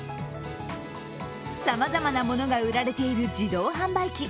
さまざまなものが売られている自動販売機。